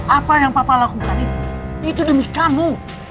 apa yang papa lakuin itu demi kamu